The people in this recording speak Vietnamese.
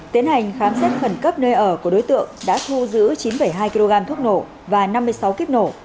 tiến hành khám xét khẩn cấp nơi ở của đối tượng đã thu giữ chín hai kg thuốc nổ và năm mươi sáu kíp nổ